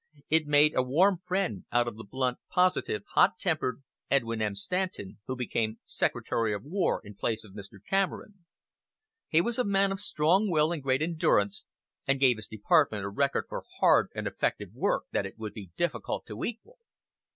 It made a warm friend out of the blunt, positive, hot tempered Edwin M. Stanton, who became Secretary of War in place of Mr. Cameron. He was a man of strong will and great endurance, and gave his Department a record for hard and effective work that it would be difficult to equal.